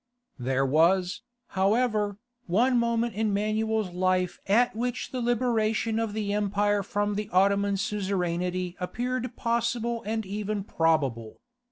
There was, however, one moment in Manuel's life at which the liberation of the empire from the Ottoman suzerainty appeared possible and even probable.